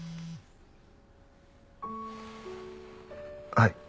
はい。